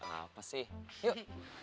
apa sih yuk